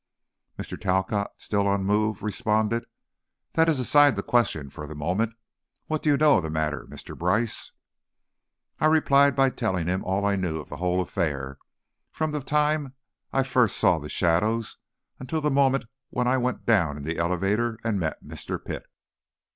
Mr. Talcott, still unmoved, responded, "That is aside the question, for the moment. What do you know of the matter, Mr. Brice?" I replied by telling him all I knew of the whole affair, from the time I first saw the shadows until the moment when I went down in the elevator and met Mr. Pitt.